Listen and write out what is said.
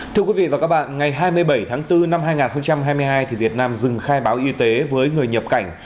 thưa quý vị và các bạn ngày hai mươi bảy tháng bốn năm hai nghìn hai mươi hai việt nam dừng khai báo y tế với người nhập cảnh